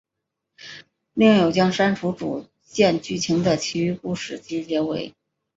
另有将删除主线剧情的其余故事集结为。